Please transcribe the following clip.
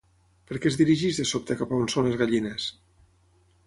Per què es dirigeix de sobte cap a on són les gallines?